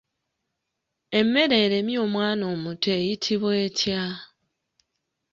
Emmere eremye omwana omuto eyitibwa etya?